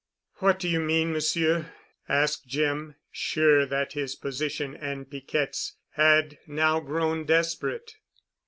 "What do you mean, Monsieur?" asked Jim, sure that his position and Piquette's had now grown desperate.